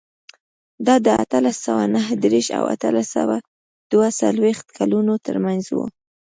دا د اتلس سوه نهه دېرش او اتلس سوه دوه څلوېښت کلونو ترمنځ و.